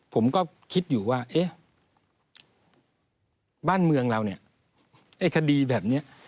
ผมก็คิดอยู่ว่าเอ๊ะบ้านเมืองเราเนี่ยไอ้คดีแบบนี้